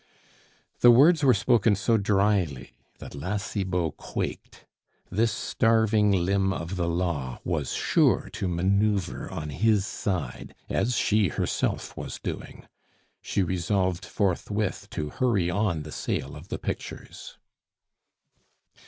The words were spoken so drily that La Cibot quaked. This starving limb of the law was sure to manoeuvre on his side as she herself was doing. She resolved forthwith to hurry on the sale of the pictures.